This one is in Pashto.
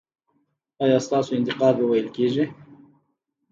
ایا ستاسو انتقاد به وپل کیږي؟